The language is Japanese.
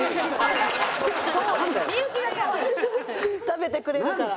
食べてくれるから。